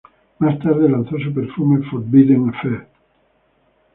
Más tarde lanzo su perfume Forbidden Affair.